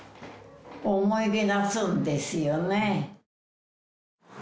思い出すんですよね。